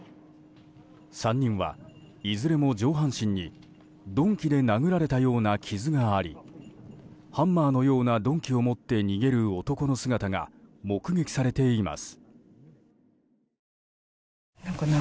３人は、いずれも上半身に鈍器で殴られたような傷がありハンマーのような鈍器を持って逃げる男の姿が目撃されています。